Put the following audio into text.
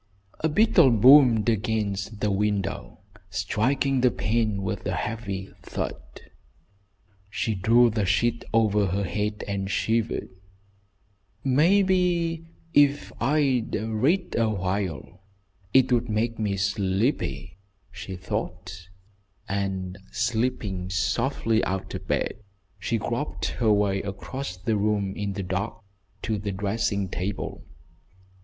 A beetle boomed against the window, striking the pane with a heavy thud. She drew the sheet over her head and shivered. "Maybe if I'd read awhile it would make me sleepy," she thought, and, slipping softly out of bed, she groped her way across the room in the dark to the dressing table.